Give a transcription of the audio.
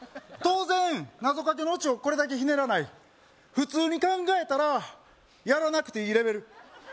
当然なぞかけのオチをこれだけひねらない普通に考えたらやらなくていいレベル